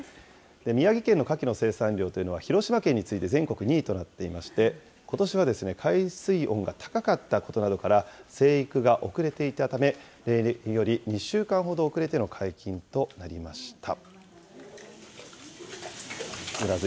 宮城県のカキの生産量というのは、広島県に次いで全国２位となっていまして、ことしは海水温が高かったことなどから、生育が遅れていたため、例年より２週間ほど遅れての解禁となりました。